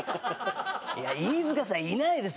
いや飯塚さんいないです